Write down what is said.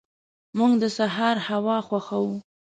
موږ د سهار هوا خوښو.